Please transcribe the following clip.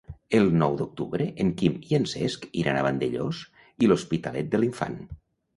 El nou d'octubre en Quim i en Cesc iran a Vandellòs i l'Hospitalet de l'Infant.